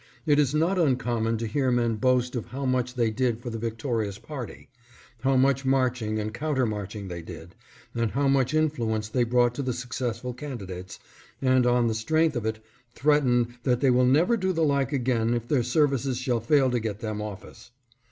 It is not uncommon to hear men boast of how much they did for the victorious party; how much marching and counter marching they did, and how much influence they brought to the successful candidates, and on the strength of it threaten that they will never do the like again if their services shall fail to get them office.